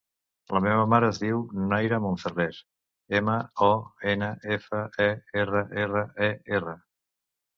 La meva mare es diu Nayra Monferrer: ema, o, ena, efa, e, erra, erra, e, erra.